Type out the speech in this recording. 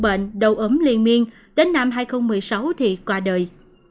bà băng đã đổ bệnh đầu ấm liên miên đến năm hai nghìn một mươi sáu thì qua đời